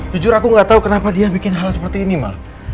jujur aku gak tahu kenapa dia bikin hal seperti ini mah